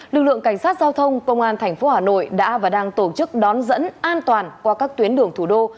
lực lượng cảnh sát giao thông công an tp hà nội đã và đang tổ chức đón dẫn an toàn qua các tuyến đường thủ đô